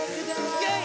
イェイ！